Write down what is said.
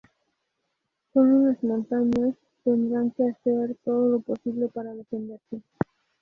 Solos en las montañas, tendrán que hacer todo lo posible para defenderse.